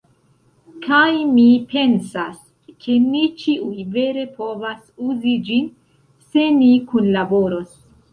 Kaj mi pensas, ke ni ĉiuj vere povas uzi ĝin, se ni kunlaboros.